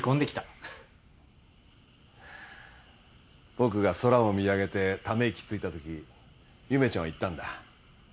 僕が空を見上げてため息ついたとき夢ちゃんは言ったんだ。